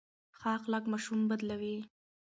ښه اخلاق ماشوم بدلوي.